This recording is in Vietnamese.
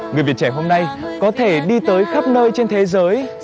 người việt trẻ hôm nay có thể đi tới khắp nơi trên thế giới